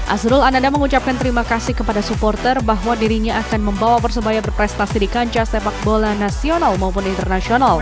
azrul ananda mengucapkan terima kasih kepada supporter bahwa dirinya akan membawa persebaya berprestasi di kancah sepak bola nasional maupun internasional